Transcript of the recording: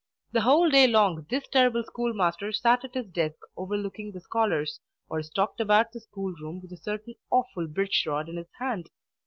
The whole day long this terrible schoolmaster sat at his desk overlooking the scholars, or stalked about the school room with a certain awful birch rod in his hand.